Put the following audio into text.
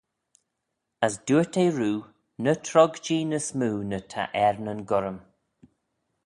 As dooyrt eh roo, Ny trog-jee ny smoo na ta er nyn gurrym.